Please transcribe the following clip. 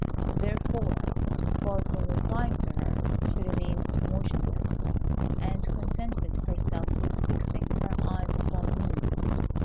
Therefore, far from replying to her, she remained motionless, and contented herself with fixing her eyes upon me.